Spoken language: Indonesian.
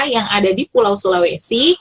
yang ada di pulau sulawesi